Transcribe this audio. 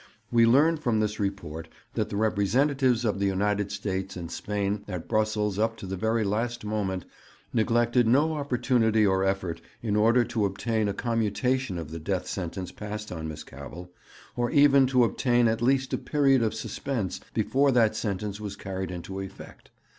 We learn from this report that the representatives of the United States and Spain at Brussels up to the very last moment neglected no opportunity or effort in order to obtain a commutation of the death sentence passed on Miss Cavell, or even to obtain at least a period of suspense before that sentence was carried into effect.